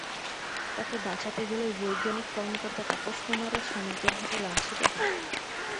তাঁকে বাঁচাতে গেলে বৈজ্ঞানিক কর্মকর্তা তাপস কুমারও শ্রমিকদের হাতে লাঞ্ছিত হন।